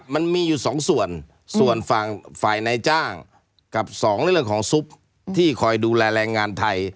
มันมีอยู่สองส่วนส่วนฝั่งฝ่ายนายจ้างกับสองเรื่องของซุปที่คอยดูแลแรงงานไทย